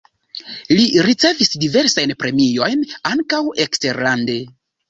Li ricevis diversajn premiojn, ankaŭ eksterlande.